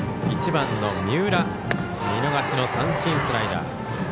１番の三浦見逃しの三振、スライダー。